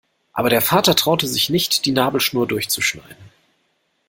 Aber der Vater traute sich nicht, die Nabelschnur durchzuschneiden.